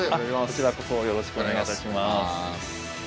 こちらこそよろしくお願いいたします